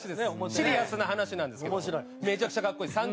シリアスな話なんですけどめちゃくちゃ格好いいです。